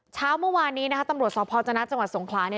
เช้าเมื่อวานนี้นะคะตำรวจสพจนะจังหวัดสงขลาเนี่ย